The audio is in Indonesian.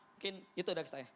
mungkin itu dari saya